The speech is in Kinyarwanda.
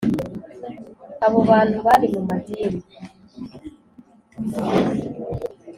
Abo bantu bari mu madini